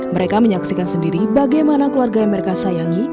mereka menyaksikan sendiri bagaimana keluarga yang mereka sayangi